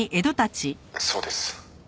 「そうです」